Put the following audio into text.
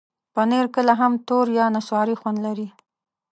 پنېر کله هم تور یا نسواري خوند لري.